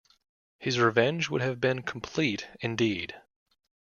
His revenge would have been complete indeed.